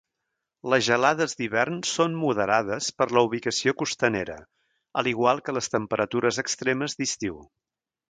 Les gelades d'hivern són moderades per la ubicació costanera, a l'igual que les temperatures extremes d'estiu.